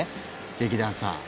劇団さん